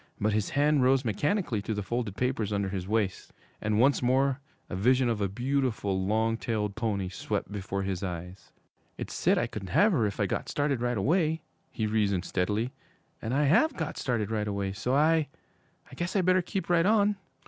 But his hand rose mechanically to the folded papers under his waist, and once more a vision of a beautiful, long tailed pony swept before his eyes. 'It said I could have her if I got started right away,' he reasoned steadily, 'and I have got started right away, so I I guess I better keep right on.'